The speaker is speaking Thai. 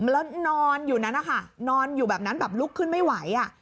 แล้วนอนอยู่นั้นนะคะนอนอยู่แบบนั้นแบบลุกขึ้นไม่ไหว